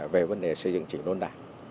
về vấn đề xây dựng chính luận đảng